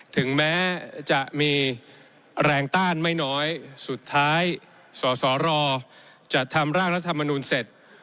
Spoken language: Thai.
ถึงแม้จะมีแรงต้านไม่น้อยสุดท้ายสสรจะทำร่างรัฐมนูลเสร็จ